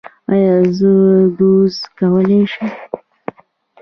ایا زه دوز کمولی شم؟